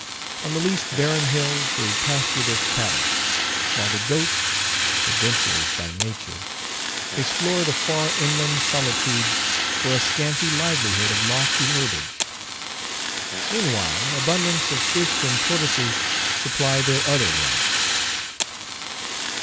On the least barren hills they pasture their cattle, while the goats, adventurers by nature, explore the far inland solitudes for a scanty livelihood of lofty herbage. Meantime, abundance of fish and tortoises supply their other wants.